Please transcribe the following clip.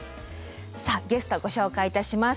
さあゲストご紹介いたします。